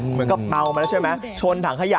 เหมือนกับเมามาแล้วใช่ไหมชนถังขยะ